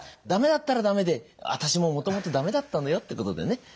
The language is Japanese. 駄目だったら駄目で「私ももともと駄目だったのよ」ってことでね。